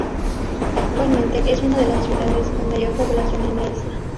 Actualmente es una de las ciudades con mayor población en la isla.